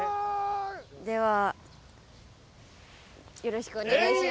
ではよろしくお願いします。